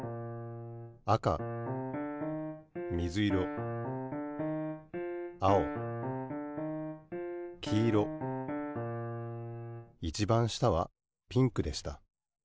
あかみずいろあおきいろいちばん下はピンクでした。